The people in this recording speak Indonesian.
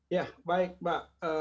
ya baik mbak